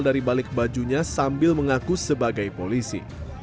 dari balik bajunya sambil mengaku sebagai polisi